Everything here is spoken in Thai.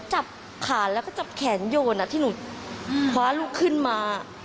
จับขาแล้วก็จับแขนโยนที่หนูคว้าลูกขึ้นมา